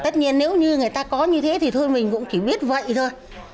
tất nhiên nếu như người ta có như thế thì thôi mình cũng chỉ biết vậy thôi